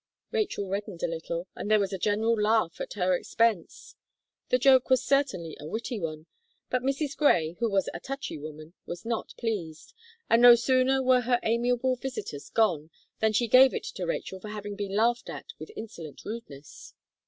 Rachel reddened a little, and there was a general laugh at her expense. The joke was certainly a witty one. But Mrs. Gray, who was a touchy woman, was not pleased; and no sooner were her amiable visitors gone, than she gave it to Rachel for having been laughed at with insolent rudeness.